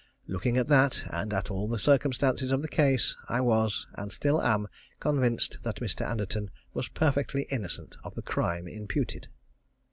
Looking at that, and at all the circumstances of the case, I was, and still am, convinced that Mr. Anderton was perfectly innocent of the crime imputed.